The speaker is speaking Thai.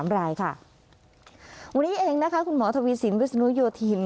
รายค่ะวันนี้เองนะคะคุณหมอทวีสินวิศนุโยธิน